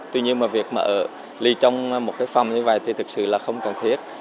tuy nhiên mà việc mà ở ly trong một cái phòng như vậy thì thực sự là không cần thiết